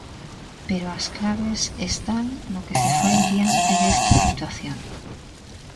Pero as claves están no que se fai diante desta situación.